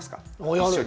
一緒に。